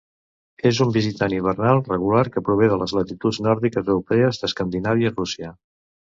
És un visitant hivernal regular que prové de les latituds nòrdiques europees d'Escandinàvia i Rússia.